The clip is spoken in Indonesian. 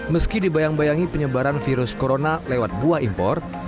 meski dibayang bayangi penyebaran virus corona lewat buah impor